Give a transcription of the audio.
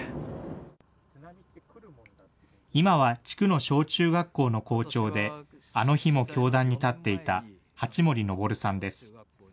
地区の小中学校の校長で、あの日も教壇に立っていた八森伸さんです。